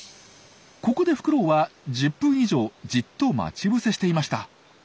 ここでフクロウは１０分以上じっと待ち伏せしていました。